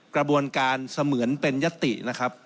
กระบวนการเสมือนเป็นยตินะครับ